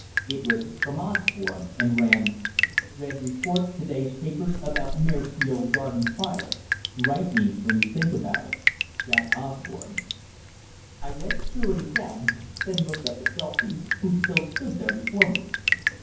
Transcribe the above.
It was from Osborne, and ran: "Read report to day's papers about Maresfield Gardens fire. Write me what you think about it. "JACK OSBORNE." I read it through again, then looked up at Dulcie, who still stood there before me.